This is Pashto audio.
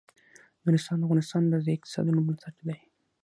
نورستان د افغانستان د ځایي اقتصادونو بنسټ دی.